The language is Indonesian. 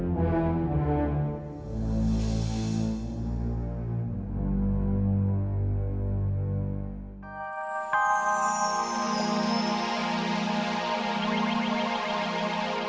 tuhan ini aku alena